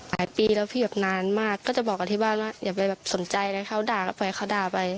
หลายปีแล้วพี่แบบนานมากก็จะบอกกันที่บ้านว่าอย่าไปสนใจนะเขาด่าไปเขาด่าไป